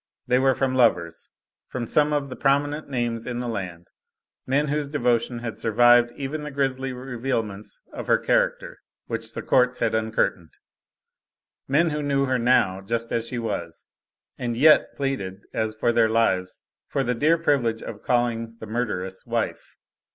They were from lovers; from some of the prominent names in the land; men whose devotion had survived even the grisly revealments of her character which the courts had uncurtained; men who knew her now, just as she was, and yet pleaded as for their lives for the dear privilege of calling the murderess wife.